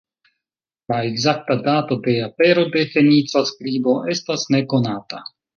La ekzakta dato de apero de fenica skribo estas nekonata.